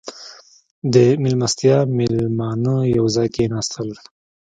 • د میلمستیا مېلمانه یو ځای کښېناستل.